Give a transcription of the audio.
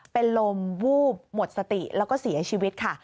เป็นลมวูบหมดสติแล้วก็เสียชีวิตค่ะ